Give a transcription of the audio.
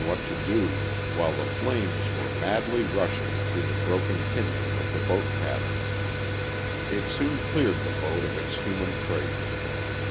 what to do, while the flames were madly rushing through the broken kindling of the boat cabin. It soon cleared the boat of its human freight.